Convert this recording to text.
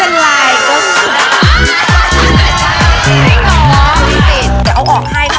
อีกแล้วไหม